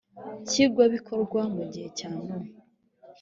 nshingwabikorwa mu gihe cya nowa